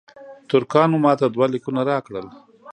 ترکانو ماته دوه لیکونه راکړل.